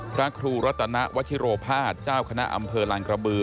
พระครูรัตนวชิโรภาสเจ้าคณะอำเภอลางกระบือ